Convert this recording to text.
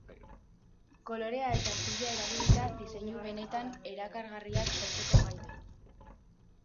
Kolorea eta artilea erabilita, diseinu benetan erakargarriak sortzeko gai da.